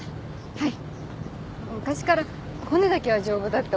はい。